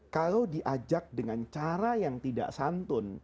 kalau diajak dengan cara yang tidak santun